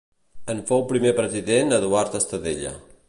En fou primer president Eduard Estadella.